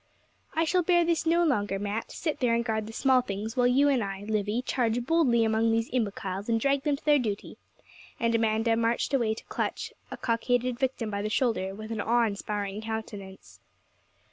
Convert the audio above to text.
'I shall bear this no longer. Mat, sit there and guard the small things, while you and I, Livy, charge boldly among these imbeciles and drag them to their duty;' and Amanda marched away to clutch a cockaded victim by the shoulder with an awe inspiring countenance.